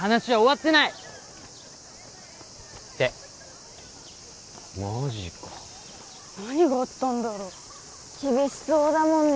ってマジか何があったんだろ厳しそうだもんね